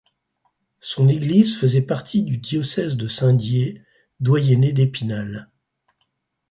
Son église faisait partie du diocèse de Saint-Dié, doyenné d’Épinal.